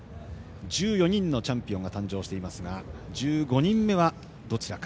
１４人のチャンピオンが誕生していますが１５人目は、どちらか。